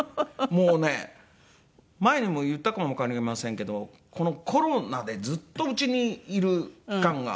もうね前にも言ったかもわかりませんけどこのコロナでずっとうちにいる期間が。